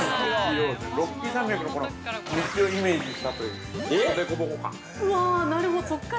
◆ロッキー山脈の、この、道をイメージしたという凸凹感。